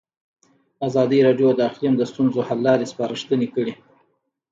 ازادي راډیو د اقلیم د ستونزو حل لارې سپارښتنې کړي.